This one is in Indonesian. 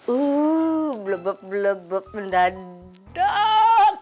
uh blebek blebek mendadak